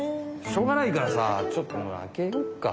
しょうがないからさちょっと開けよっか。